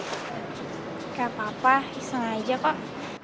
gak apa apa iseng aja kok